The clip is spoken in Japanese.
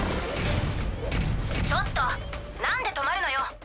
ちょっとなんで止まるのよ？